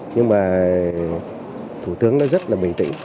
nhưng mà thủ tướng đã rất là bình tĩnh